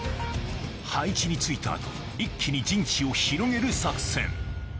配置に就いた後一気に陣地を広げる作戦